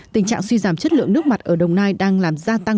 tình trạng suy giảm chất lượng nước mặt ở đồng nai đang làm gia tăng